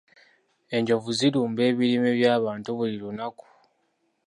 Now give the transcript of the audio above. Enjovu zirumba ebirime by'abantu buli lunaku.